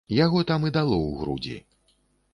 Яго там і дало ў грудзі.